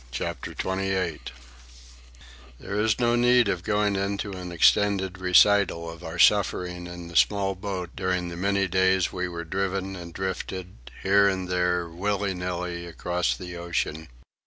CHAPTER XXVIII There is no need of going into an extended recital of our suffering in the small boat during the many days we were driven and drifted, here and there, willy nilly, across the ocean.